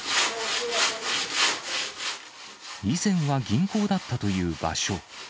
以前は銀行だったという場所。